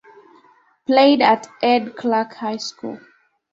Played at Ed Clark High School.